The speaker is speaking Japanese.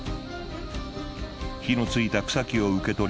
火のついた草木を受け取り